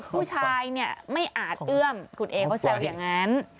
ผู้ชายเนี่ยไม่อาจเอื้อมคุณเอเขาแซวอย่างนั้น